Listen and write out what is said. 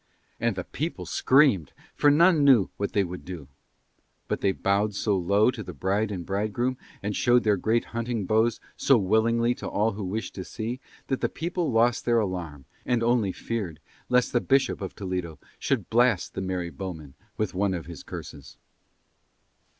And the people screamed, for none knew what they would do. But they bowed so low to the bride and bridegroom, and showed their great hunting bows so willingly to all who wished to see, that the people lost their alarm and only feared lest the Bishop of Toledo should blast the merry bowmen with one of his curses.